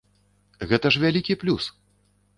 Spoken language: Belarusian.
Гэта ж вялікі плюс!